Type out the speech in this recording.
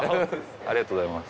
ありがとうございます。